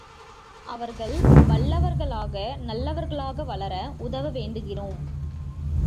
அவர்கள் வல்லவர்களாக, நல்லவர்களாக வளர உதவ வேண்டுகிறோம்.